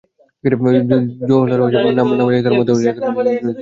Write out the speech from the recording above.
জোহরের নামাজের আগে তাঁর মরদেহ দত্তপাড়া জামে মসজিদের মাঠে আনা হয়।